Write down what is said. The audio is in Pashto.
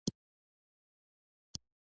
په افغانستان کې د تنوع منابع شته.